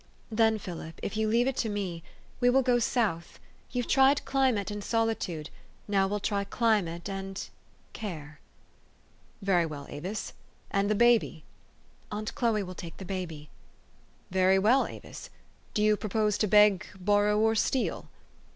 " Then, Philip, if you leave it to me, we will go 392 THE STOKY OF AVIS. South. You've tried climate and solitude : now we'll try climate and 1 and care." " Very well, Avis. And the baby? "" Aunt Chloe will take the baby." " Very well, Avis. Do you propose to beg, bor row, or steal?